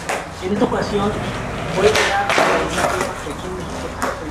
Hala era considerada la hija predilecta y la más querida de Saddam Hussein.